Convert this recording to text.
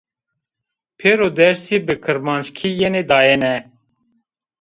Pêro dersî bi kirmanckî yenê dayene